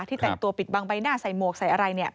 แต่งตัวปิดบังใบหน้าใส่หมวกใส่อะไร